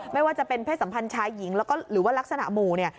ไม่ว่าจะเป็นเพศสัมพันธ์ชายหญิงแล้วก็หรือว่ารักษณะหมู่เนี่ย